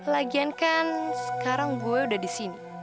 lagian kan sekarang gue udah di sini